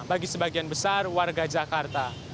bagi sebagian besar warga jakarta